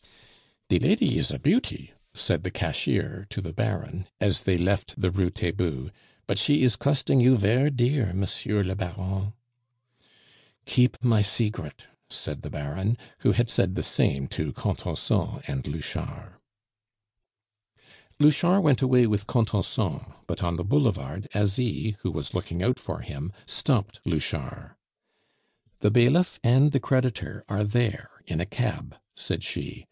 "De lady is a beauty," said the cashier to the Baron, as they left the Rue Taitbout, "but she is costing you ver' dear, Monsieur le Baron." "Keep my segret," said the Baron, who had said the same to Contenson and Louchard. Louchard went away with Contenson; but on the boulevard Asie, who was looking out for him, stopped Louchard. "The bailiff and the creditor are there in a cab," said she.